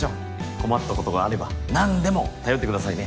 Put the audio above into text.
困ったことがあれば何でも頼ってくださいね。